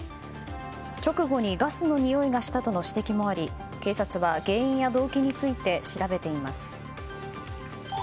直後にガスのにおいがしたとの指摘もあり警察は原因や動機について調べています。